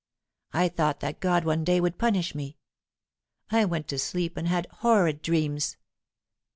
I thought that God would one day punish me. I went to sleep and had horrid dreams.